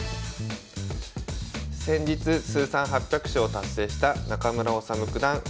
先日通算８００勝を達成した中村修九段。